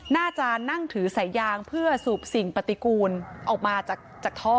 น่าจะนั่งถือสายยางเพื่อสูบสิ่งปฏิกูลออกมาจากท่อ